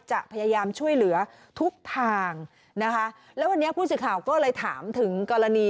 จะพยายามช่วยเหลือทุกทางนะคะแล้ววันนี้ผู้สื่อข่าวก็เลยถามถึงกรณี